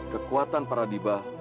kekuatan para dibah